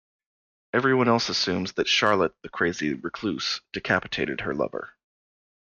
Everyone else assumes that Charlotte, the crazy recluse, decapitated her lover.